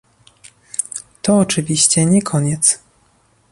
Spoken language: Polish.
To oczywiście nie koniec